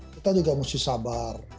kita juga harus sabar